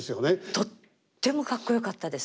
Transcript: とってもかっこよかったです。